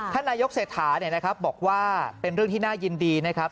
ท่านนายกเศรษฐาบอกว่าเป็นเรื่องที่น่ายินดีนะครับ